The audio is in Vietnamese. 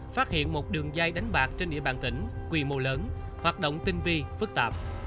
phát hiện một đường dây đánh bạc trên địa bàn tỉnh quy mô lớn hoạt động tinh vi phức tạp